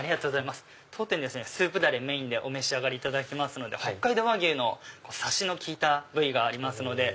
当店スープだれメインでお召し上がりいただきますので北海道和牛のサシの効いた部位があります。